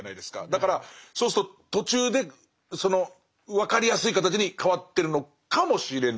だからそうすると途中でその分かりやすい形に変わってるのかもしれないですね。